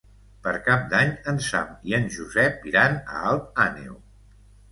Per Cap d'Any en Sam i en Josep iran a Alt Àneu.